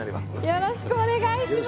よろしくお願いします。